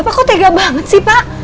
bapak kok tega banget sih pak